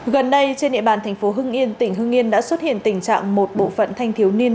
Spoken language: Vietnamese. gần đây trên địa bàn thành phố hưng yên tỉnh hưng yên đã xuất hiện tình trạng một bộ phận thanh thiếu niên